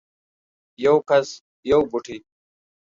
یو کس یو بوټی